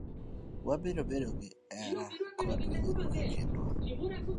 Wabiro bedo gi hera kod winjruok e kindwa.